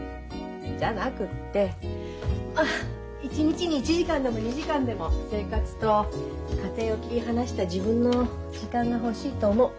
じゃなくって一日に１時間でも２時間でも生活と家庭を切り離した自分の時間が欲しいと思う。